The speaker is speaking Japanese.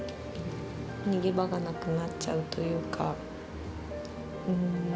逃げ場がなくなっちゃうというか。